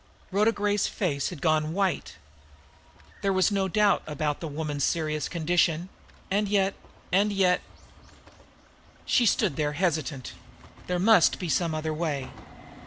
Rhoda Gray's face had gone a little white. There was no doubt about the woman's serious condition, and yet and yet She stood there hesitant. There must be some other way!